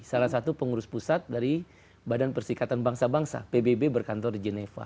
salah satu pengurus pusat dari badan persikatan bangsa bangsa pbb berkantor geneva